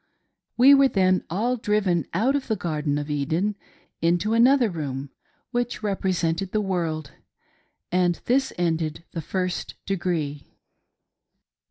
We were then all driven out of the Garden of Eden, into another room which represented the world ;— and this ended the " First Degree."